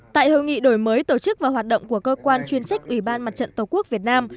tại hội nghị đổi mới tổ chức và hoạt động của cơ quan chuyên trách ủy ban mặt trận tổ quốc việt nam